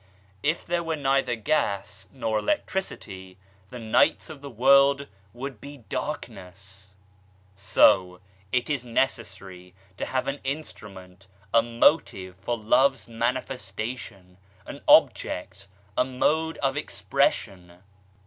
If there were THE UNIVERSAL LOVE 31 neither gas nor electricity, the nights of the world would be darkness ! So, it is necessary to have an instrument, a motive for Love's manifestation, an object, a mode of expression.